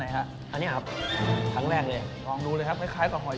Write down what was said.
ไหนครับตั้งแรกแล้วลองดูเลยนะเช้าที่จ๊อครับเอาไหว